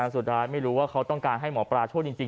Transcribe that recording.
สุดท้ายไม่รู้ว่าเขาต้องการให้หมอปลาช่วยจริง